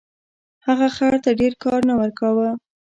هغه خر ته ډیر کار نه ورکاوه.